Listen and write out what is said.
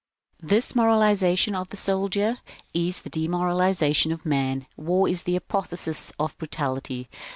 This moralization of the soldier is the demoralization of the man. War is the apotheosis of brutality.